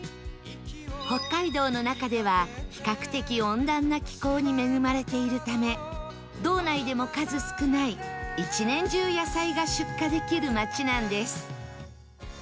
北海道の中では比較的温暖な気候に恵まれているため道内でも数少ない１年中野菜が出荷できる町なんです